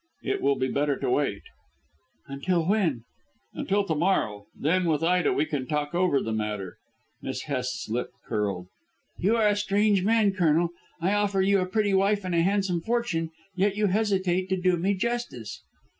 It will be better to wait." "Until when?" "Until to morrow. Then, with Ida, we can talk over the matter." Miss Hest's lip curled. "You are a strange man, Colonel. I offer you a pretty wife and a handsome fortune, yet you hesitate to do me justice."